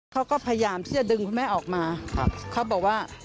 เขาก็พยายามที่จะดึงคุณแม่ออกมาเขาบอกว่า